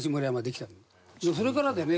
それからだよね